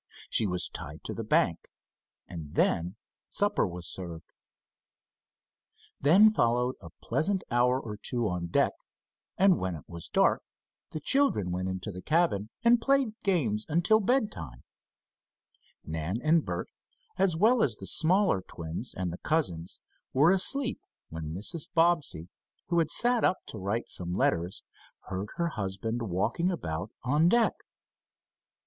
She was tied to the bank, and then supper was served. Then followed a pleasant hour or two on deck, and when it was dark, the children went into the cabin and played games until bedtime Nan and Bert, as well as the smaller twins and the cousins, were asleep when Mrs. Bobbsey, who had sat up to write some letters, heard her husband walking about on deck.